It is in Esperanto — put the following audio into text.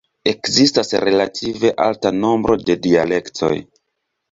Ekzistas relative alta nombro de dialektoj.